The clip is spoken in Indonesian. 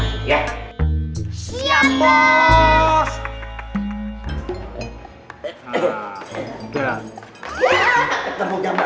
ambil timu periksa sudut rumah